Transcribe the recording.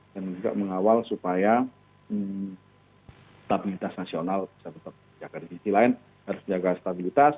dan juga mengawal supaya stabilitas nasional bisa tetap jaga di sisi lain harus jaga stabilitas